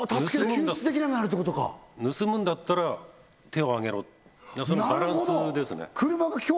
救出できなくなるってことか盗むんだったら手を上げろそのバランスですねなるほど！